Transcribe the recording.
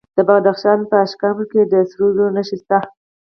د بدخشان په اشکاشم کې د سرو زرو نښې شته.